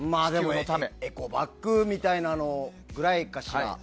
エコバッグみたいなものぐらいかしら。